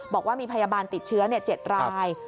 บอกว่ามีพยาบาลติดเชื้อ๗ราย